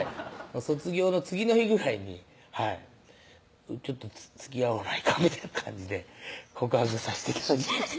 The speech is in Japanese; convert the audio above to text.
卒業の次の日ぐらいにはい「ちょっとつつきあわないか」みたいな感じで告白さして頂きました